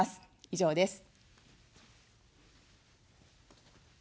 以上です。